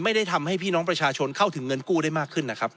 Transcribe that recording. ไม่ได้ทำให้พี่น้องประชาชนเข้าถึงเงินกู้ได้มากขึ้นนะครับ